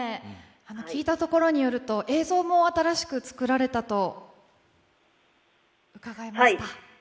聞いたところによると映像も新しく作られたと伺いました。